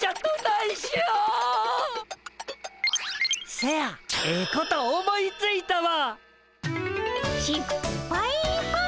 せやええこと思いついたわ！